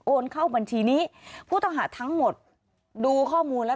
เข้าบัญชีนี้ผู้ต้องหาทั้งหมดดูข้อมูลแล้ว